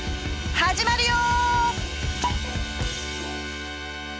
始まるよ！